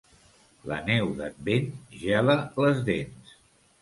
La neu d'Advent gela les dents.